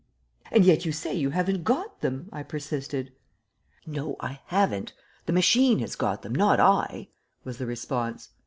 "And yet you say you haven't got them," I persisted. "No, I haven't. The machine has got them, not I," was the response.